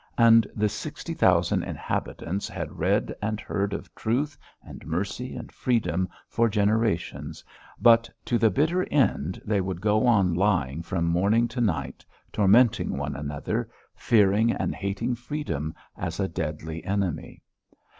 And the sixty thousand inhabitants had read and heard of truth and mercy and freedom for generations, but to the bitter end they would go on lying from morning to night, tormenting one another, fearing and hating freedom as a deadly enemy.